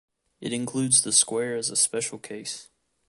It includes the square as a special case.